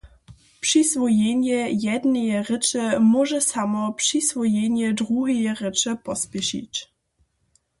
Přiswojenje jedneje rěče móže samo přiswojenje druheje rěče pospěšić.